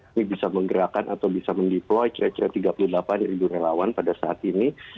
ini bisa menggerakkan atau bisa mendeploy kira kira tiga puluh delapan ribu relawan pada saat ini